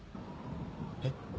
えっ？